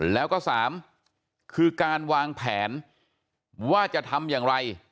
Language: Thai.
แล้วก็๓คือการวางแผนว่าจะทำอย่างไร